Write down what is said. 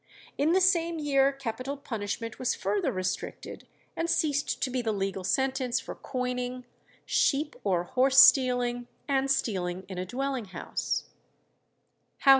In the same year capital punishment was further restricted, and ceased to be the legal sentence for coining, sheep or horse stealing, and stealing in a dwelling house.